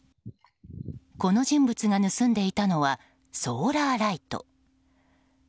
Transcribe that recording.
この人物が盗んでいたのはソーラーライト。